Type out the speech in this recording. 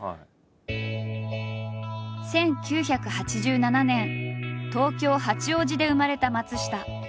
１９８７年東京八王子で生まれた松下。